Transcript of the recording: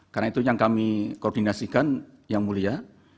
karena itu yang kami koordinasikan yang mulia